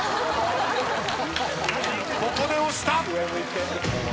ここで押した！